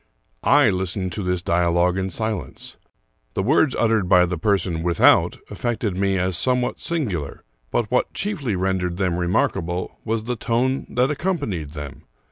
I listened to this dialogue in silence. The words ut tered by the person without affected me as somewhat singular; but what chiefly rendered them remarkable was the tone that accompanied them.